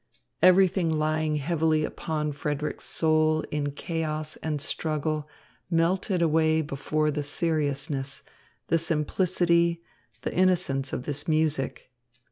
Everything lying heavily upon Frederick's soul in chaos and struggle melted away before the seriousness, the simplicity, the innocence of this music.